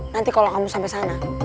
nanti kalau kamu sampai sana